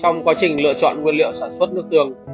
trong quá trình lựa chọn nguyên liệu sản xuất nước tương